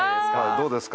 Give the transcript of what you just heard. どうですか？